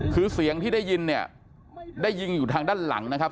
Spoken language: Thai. คือเสียงที่ได้ยินเนี่ยได้ยินอยู่ทางด้านหลังนะครับ